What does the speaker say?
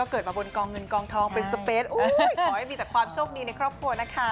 ขอให้มีแต่ความโชคดีในครอบครัวนะคะ